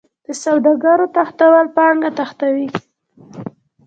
د سوداګرو تښتول پانګه تښتوي.